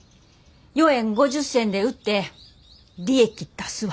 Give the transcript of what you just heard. ４円５０銭で売って利益出すわ。